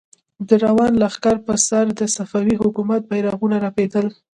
د روان لښکر پر سر د صفوي حکومت بيرغونه رپېدل.